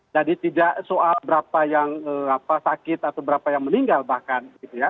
jadi tidak soal berapa yang sakit atau berapa yang meninggal bahkan